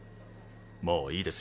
もういいですよ。